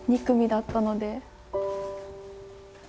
２組だったので。